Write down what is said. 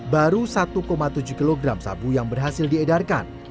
baru satu tujuh kg sabu yang berhasil diedarkan